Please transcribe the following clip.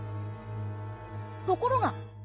ところが。